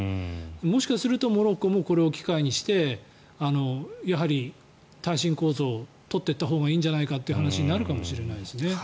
もしかするとモロッコもこれを機会にしてやはり耐震構造を取っていったほうがいいんじゃないかという話になるかもしれないですね。